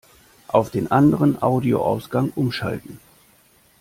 Auf den anderen Audioausgang umschalten!